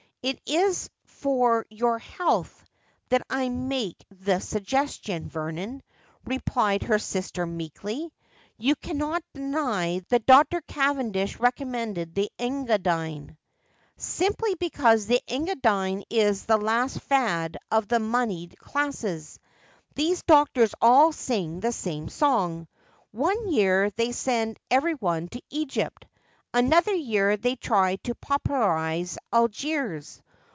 ' It is for your health that I make the suggestion, Vernon,' replied his sister meekly. ' You cannot deny that Dr. Cavendish recommended the Engadine.' ' Simply because the Engadine is the last fad of the moneyed classes. These doctors all sing the same song. One year thfy send everyone to Egypt, another year they try to popularise Algiers.